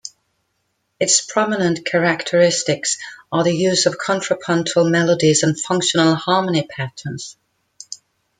Its prominent characteristics are the use of contrapuntal melodies and functional harmony patterns.